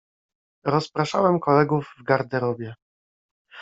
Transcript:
Rozpraszałem kolegów w garderobie.